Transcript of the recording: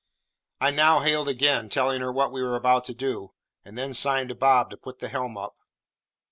I now hailed again, telling her what we were about to do, and then signed to Bob to put the helm up.